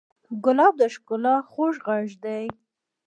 ګلاب د ښکلا خوږ غږ دی.